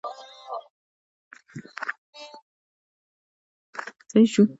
د غرنیو ځمکو لپاره کومې ونې ښې دي؟